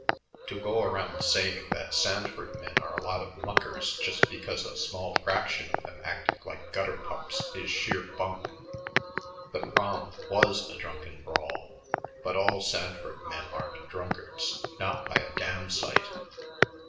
To go around saying that Sanford men are a lot of muckers just because a small fraction of them acted like gutter pups is sheer bunk. The Prom was a drunken brawl, but all Sanford men aren't drunkards not by a damn sight."